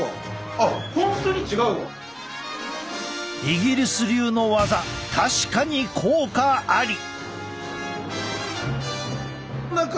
イギリス流のワザ確かに効果あり！